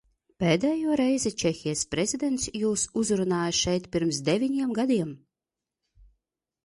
Pēdējo reizi Čehijas prezidents jūs uzrunāja šeit pirms deviņiem gadiem.